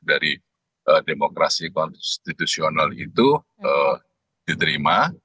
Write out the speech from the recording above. dari demokrasi konstitusional itu diterima